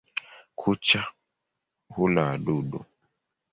Kucha hula wadudu.